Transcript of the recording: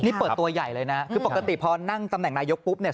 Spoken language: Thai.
นี่เปิดตัวใหญ่เลยนะคือปกติพอนั่งตำแหน่งนายกปุ๊บเนี่ย